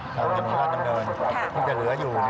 ถ้าวิญญาณราชดำเนินที่จะเหลืออยู่